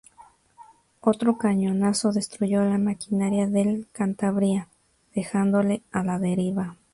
Otro cañonazo destruyó la maquinaria del "Cantabria", dejándole a la deriva.